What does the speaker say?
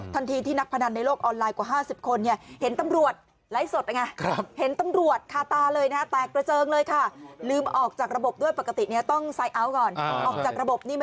ทันทีที่นักพนันในโลกออนไลน์กว่า๕๐คน